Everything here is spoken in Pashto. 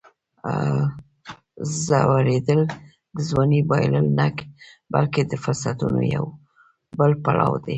زوړېدل د ځوانۍ بایلل نه، بلکې د فرصتونو یو بل پړاو دی.